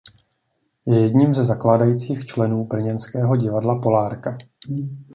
Je jedním ze zakládajících členů brněnského Divadla Polárka.